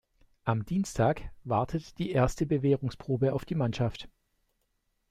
Am Dienstag wartet die erste Bewährungsprobe auf die Mannschaft.